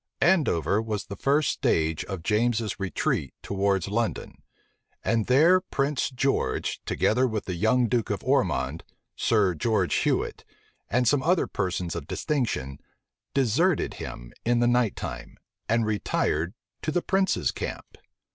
Andover was the first stage of James's retreat towards London; and there Prince George together with the young duke of Ormond,[*] Sir George Huet, and some other persons of distinction, deserted him in the night time, and retired to the prince's camp.